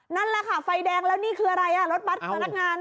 นั่นแหละค่ะไฟแดงแล้วนี่คืออะไรรถบัตรพนักงาน